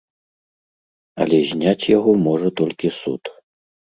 Але зняць яго можа толькі суд.